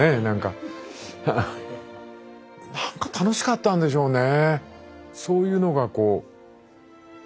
何か楽しかったんでしょうね。